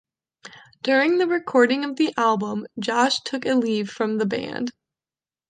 During the recording of the album, Josh took a leave from the band.